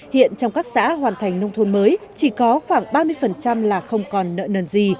hiện trong các xã hoàn thành nông thôn mới chỉ có khoảng ba mươi là không còn nợ nần gì